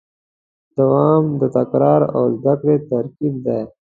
دوام د تکرار او زدهکړې ترکیب دی.